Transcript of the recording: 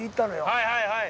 はいはいはい。